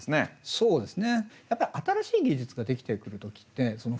そうですね。